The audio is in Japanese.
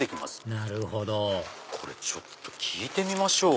なるほどこれ聞いてみましょう。